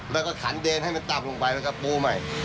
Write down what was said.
แล้วก็ขันเดงไม่เป็นตามลงไปแล้วก็ปูใหม่